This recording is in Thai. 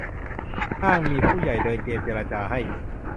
อ้างมีผู้ใหญ่เดินเกมเจรจาให้